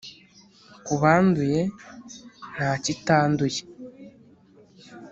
Ku banduye nta kitanduye